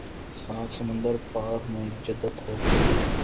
سات سمندر پار میں جدت ہے